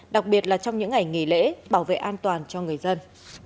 đặc biệt là trong những ngày nghỉ lễ bảo vệ an toàn cho người dân